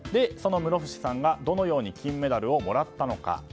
その室伏さんがどのように金メダルをもらったのか。